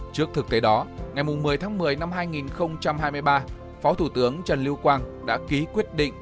trước thực tế đó ngày một mươi tháng một mươi năm hai nghìn hai mươi ba phó thủ tướng trần lưu quang đã ký quyết định